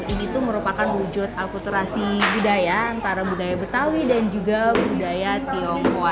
ini tuh merupakan wujud akulturasi budaya antara budaya betawi dan juga budaya tionghoa